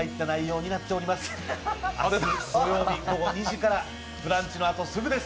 土曜日午後２時から、「ブランチ」のあとすぐです。